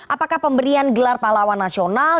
apakah pemberian gelar pahlawan nasional